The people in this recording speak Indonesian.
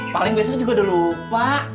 paling biasanya juga udah lupa